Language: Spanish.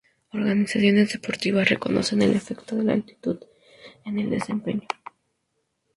Organizaciones deportivas reconocen el efecto de la altitud en el desempeño.